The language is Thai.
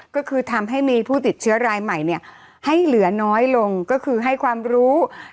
ก็คือทำให้มีผู้ติดเชื้อรายใหม่เนี่ยให้เหลือน้อยลงก็คือให้ความรู้